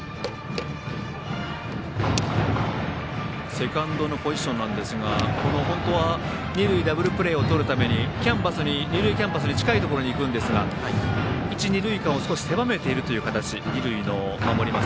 セカンドのポジションですがこの本当は二塁ダブルプレーをとるために二塁キャンバスに近いところに行くんですが一、二塁間を狭めているという形二塁を守ります